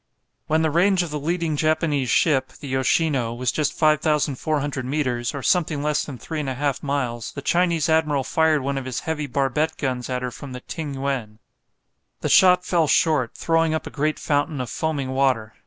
When the range of the leading Japanese ship the "Yoshino" was just 5400 metres, or something less than 3 1/2 miles, the Chinese admiral fired one of his heavy barbette guns at her from the "Ting yuen." The shot fell short, throwing up a great fountain of foaming water.